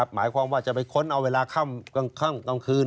หมายความว่าจะไปค้นเอาเวลาค่ำกลางคืน